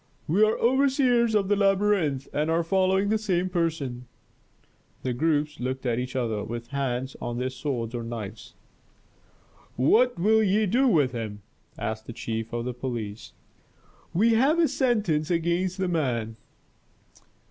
"We are overseers of the labyrinth and are following the same person." The groups looked at each other with hands on their swords or knives. "What will ye do with him?" asked the chief of police. "We have a sentence against the man."